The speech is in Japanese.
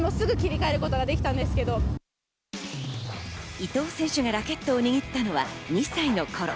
伊藤選手がラケットを握ったのは２歳の頃。